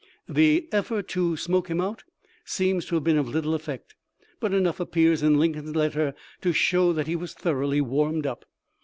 The effort to smoke him out seems to have been of little effect, but enough appears in Lincoln's letter to show that he was thoroughly warmed up.